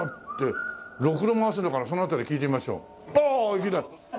いきなり。